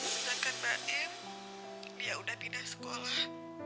sejak mbak em dia udah tidak sekolah